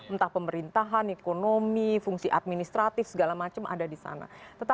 entah pemerintahan ekonomi fungsi administratif segala macam ada di sana